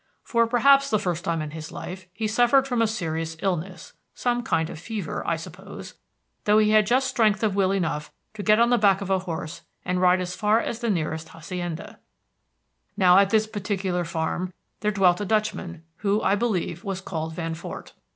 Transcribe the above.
For, perhaps, the first time in his life, he suffered from a serious illness some kind of fever, I suppose, though he had just strength of will enough to get on the back of a horse and ride as far as the nearest hacienda. "Now, on this particular farm there dwelt a Dutchman, who, I believe, was called Van Fort.